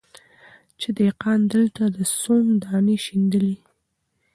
چي دهقان دلته د سونډ دانې شیندلې